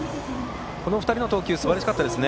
この２人の投球すばらしかったですね。